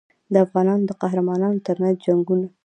د افغانانو د قهرمانانو ترمنځ جنګونه.